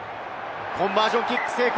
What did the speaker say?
コンバージョンキック成功！